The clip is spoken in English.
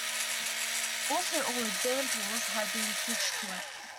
Also all examples had been switched to it.